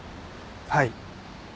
はい。